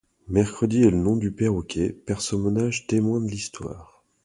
Mercredi est le nom du perroquet, personnage témoin de l'histoire.